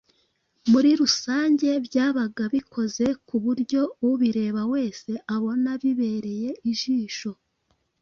Muri rusange byabaga bikoze ku buryo ubireba wese abona bibereye ijisho,